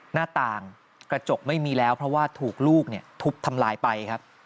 หน้าต่างกระจกไม่มีแล้วเพราะว่าถูกลูกทุบทำลายไปครับ